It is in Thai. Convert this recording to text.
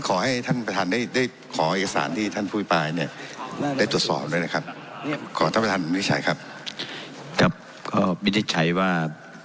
ขอท่านประธานวิทย์ชัยครับครับก็วิทย์ชัยว่า